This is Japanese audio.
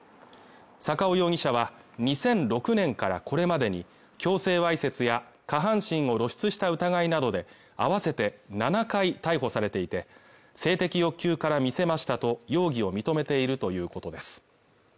坂尾容疑者は、２００６年からこれまでに強制わいせつや下半身を露出した疑いなどで合わせて７回逮捕されていて、性的欲求から見せましたと容疑を認めているということです。